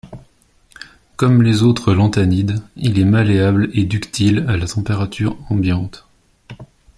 Comme les autres lanthanides, il est malléable et ductile à la température ambiante.